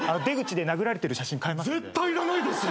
出口で殴られてる写真買えますんで。